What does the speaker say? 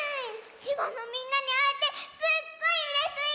千葉のみんなにあえてすっごいうれスイ！